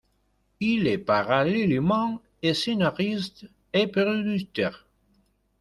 Il est parallèlement scénariste et producteur.